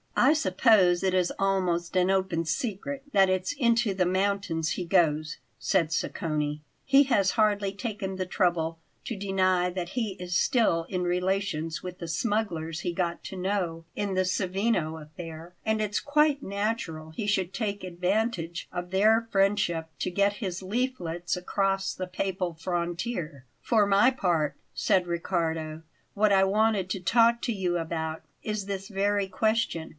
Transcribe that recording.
"I suppose it is almost an open secret that it's into the mountains he goes," said Sacconi. "He has hardly taken the trouble to deny that he is still in relations with the smugglers he got to know in the Savigno affair, and it's quite natural he should take advantage of their friendship to get his leaflets across the Papal frontier." "For my part," said Riccardo; "what I wanted to talk to you about is this very question.